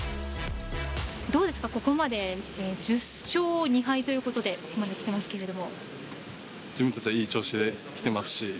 どうですか、ここまで１０勝２敗ということできてますけど。